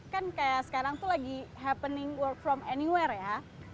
kan kayak sekarang tuh lagi happening work from anywhere ya